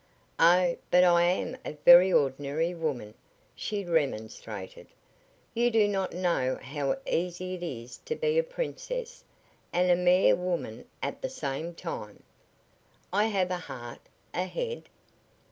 "Oh, but I am a very ordinary woman," she remonstrated. "You do not know how easy it is to be a princess and a mere woman at the same time. I have a heart, a head.